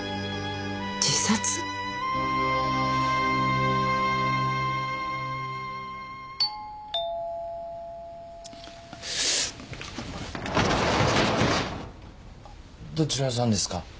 自殺？・どちらさんですか？